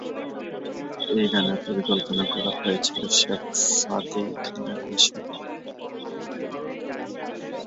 এই গানের পরিকল্পনা করা হয়েছিল শেখ সাদি খানের বাসায়।